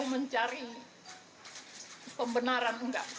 saya mau mencari pembenaran enggak